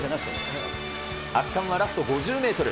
圧巻はラスト５０メートル。